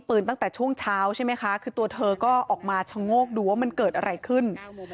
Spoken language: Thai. พี่บุหรี่พี่บุหรี่พี่บุหรี่พี่บุหรี่